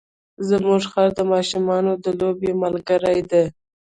زموږ خر د ماشومانو د لوبو ملګری دی.